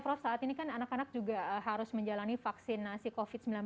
prof saat ini kan anak anak juga harus menjalani vaksinasi covid sembilan belas